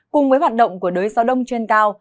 cùng với hoạt động của đới gió đông trên cao